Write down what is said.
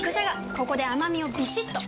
ここで甘みをビシッと！